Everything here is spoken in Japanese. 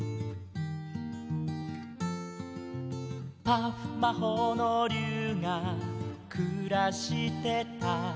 「パフ魔法の竜がくらしてた」